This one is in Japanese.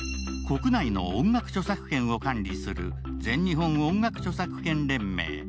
国内の音楽著作権を管理する全日本音楽著作権連盟。